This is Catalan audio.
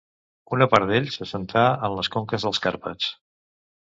Una part d'ells s'assentà en les conques dels Carpats.